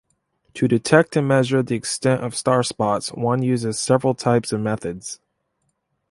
To detect and measure the extent of starspots one uses several types of methods.